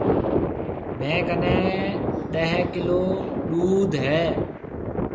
ميه ڪنَي ڏيه ڪِيلو ڏوڌ هيَ۔